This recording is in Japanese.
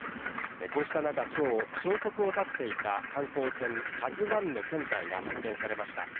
こうした中、きょう、消息を絶っていた観光船カズワンの船体が発見されました。